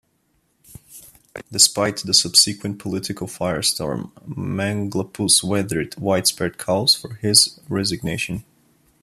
Despite the subsequent political firestorm, Manglapus weathered widespread calls for his resignation.